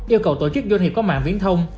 yêu cầu tổ chức doanh nghiệp có mạng viễn thông